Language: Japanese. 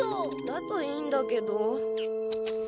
だといいんだけど。